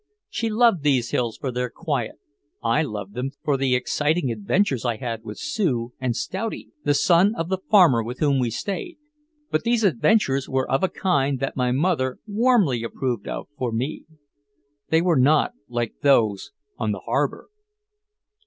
She loved these hills for their quiet, I loved them for the exciting adventures I had with Sue and "Stouty," the son of the farmer with whom we stayed. But these adventures were of a kind that my mother warmly approved of for me. They were not like those on the harbor.